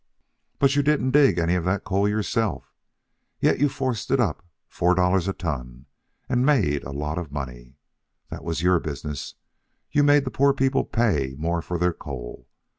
"But you didn't dig any of that coal yourself. Yet you forced it up four dollars a ton and made a lot of money. That was your business. You made the poor people pay more for their coal.